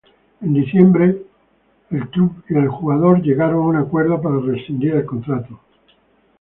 En diciembre club y jugador llegaron a un acuerdo para rescindir el contrato.